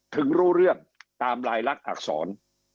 ถึงรู้เรื่องตามลายลักษณอักษร